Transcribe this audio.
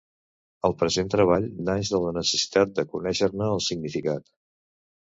El present treball naix de la necessitat de conéixer-ne el significat.